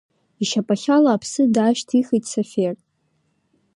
Ишьапахьала аԥсы даашьҭихит Сафер.